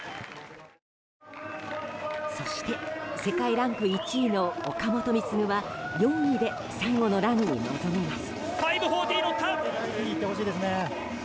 そして、世界ランク１位の岡本碧優は４位で最後のランに臨みます。